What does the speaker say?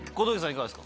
いかがですか？